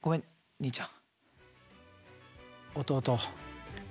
兄ちゃん。